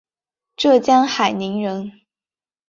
浙江海宁人。